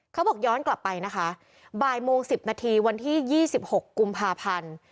เขาบอกย้อนกลับไปนะคะบ่ายโมง๑๐นาทีวันที่๒๖กุมภาพันธ์